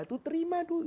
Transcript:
itu terima dulu